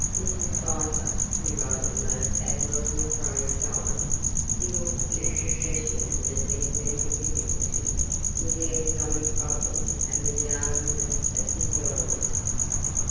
Mrs. Pfeiffer, who writes a most admirable prose style, deals in succession with the sentimental difficulty, with the economic problem, and with the arguments of physiologists.